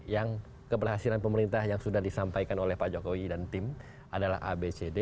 yang keberhasilan pemerintah yang sudah disampaikan oleh pak jokowi dan tim adalah abcd